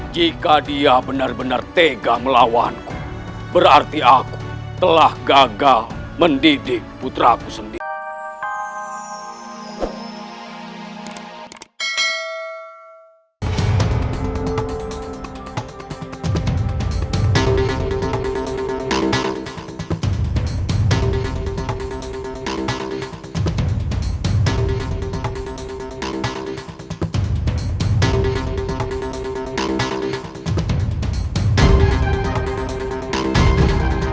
jika dia benar benar tega melawanku berarti aku telah gagal mendidik putra aku sendiri